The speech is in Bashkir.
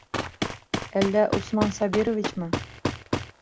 Әллә Усман Сабировичмы?